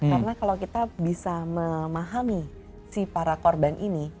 karena kalau kita bisa memahami si para korban ini